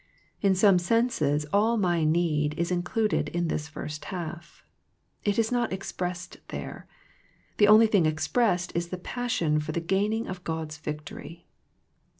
In some senses all my need is in cluded in this first half. It is not expressed there. The only thing expressed is the passion for the gaining of God's victory.